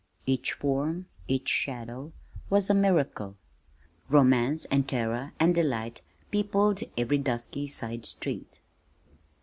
Each form, each shadow was a miracle. Romance and terror and delight peopled every dusky side street.